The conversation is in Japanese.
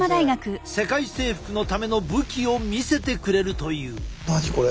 世界征服のための武器を見せてくれるという。